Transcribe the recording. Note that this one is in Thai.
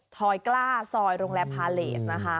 ทอยกล้าซอยโรงแรมพาเลสนะคะ